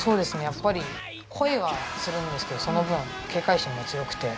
やっぱり声はするんですけどその分警戒心も強くて。